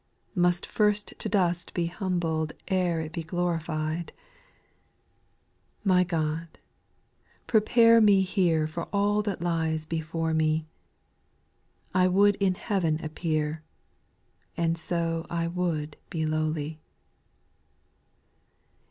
Must first to dust be humbled Ere it be glorified I My God, prepare me here For all that lies before me ; I would in heaven appear, And so I would be lowly.